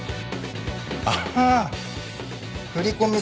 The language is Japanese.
ああ振り込め